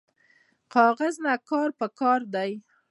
کاغذ نه کار پکار دی